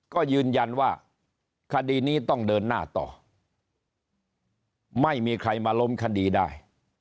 ก็ยืนยันว่าคดีนี้ต้องเดินหน้าต่อไม่มีใครมาล้มคดีได้